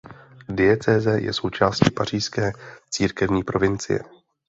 Diecéze je součástí pařížské církevní provincie.